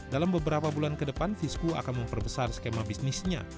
dalam beberapa bulan ke depan fisku akan memperbesar skema bisnisnya